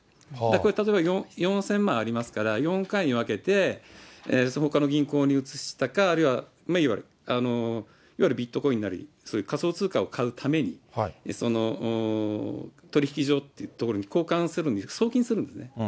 これ、例えば４０００万ありますから、４回に分けてほかの銀行に移したか、あるいは、いわゆるビットコインなり、そういう仮想通貨を買うために、取引所というところに交換するのに、送金するのかな。